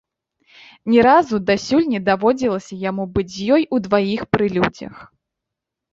Ні разу дасюль не даводзілася яму быць з ёй удваіх пры людзях.